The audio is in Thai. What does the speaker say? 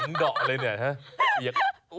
หลังดอกเลยเนี่ย